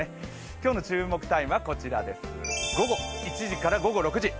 今日の注目タイムは午後１時から午後６時。